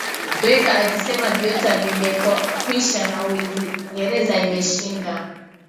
wake akisema viota vimekwisha na Uingereza imeshinda